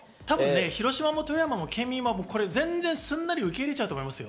広島も富山も県民はこれ、すんなり受け入れちゃうと思いますよ。